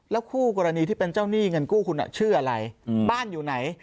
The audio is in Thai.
คู่กรณีที่เป็นเจ้าหนี้เงินกู้คุณชื่ออะไรบ้านอยู่ไหน